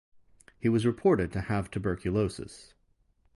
He was reported to have tuberculosis.